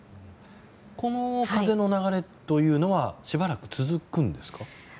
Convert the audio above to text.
この風の流れというのはしばらく続くんですか？